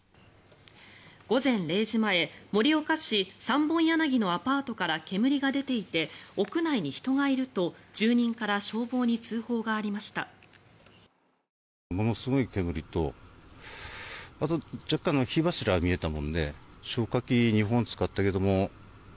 午前０時前盛岡市三本柳のアパートから煙が出ていて屋内に人がいると住人から消防に通報がありました。